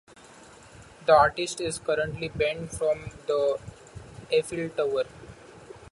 The artist is currently banned from the Eiffel Tower.